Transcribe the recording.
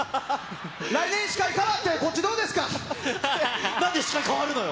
来年、司会代わって、こっちどうなんで司会代わるのよ。